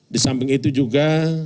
disamping itu juga